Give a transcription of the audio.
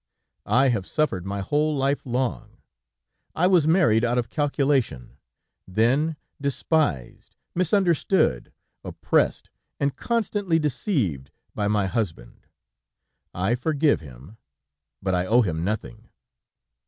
I have suffered my whole life long. I was married out of calculation, then despised, misunderstood, oppressed and constantly deceived by my husband. "'I forgive him, but I owe him nothing.